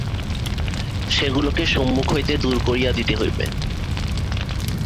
সেগুলিকে সম্মুখ হইতে দূর করিয়া দিতে হইবে।